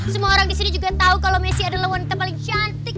semua orang di sini juga tahu kalau messi adalah wanita paling cantik